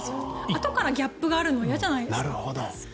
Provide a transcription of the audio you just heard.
あとからギャップがあるのは嫌じゃないですか。